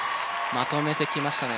まとめてきましたね。